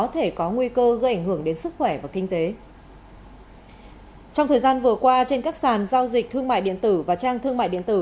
trong thời gian vừa qua trên các sàn giao dịch thương mại điện tử và trang thương mại điện tử